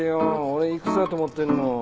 俺いくつだと思ってんの。